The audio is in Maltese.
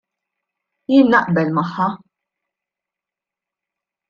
Jien naqbel magħha.